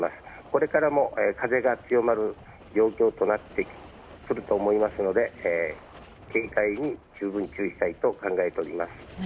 これからも風が強まる状況となってくると思いますので警戒に十分注意したいと考えております。